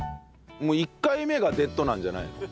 もう１回目がデッドなんじゃないの？